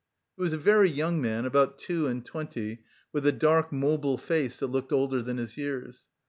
He was a very young man, about two and twenty, with a dark mobile face that looked older than his years.